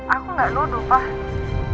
aku gak nuduh pak